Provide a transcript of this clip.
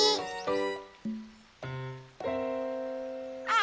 あ！